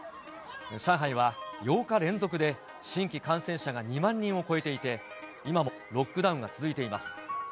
上海は８日連続で新規感染者が２万人を超えていて、今もロックダウンが続いています。